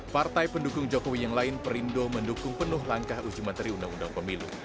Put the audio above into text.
partai pendukung jokowi yang lain perindo mendukung penuh langkah uji materi undang undang pemilu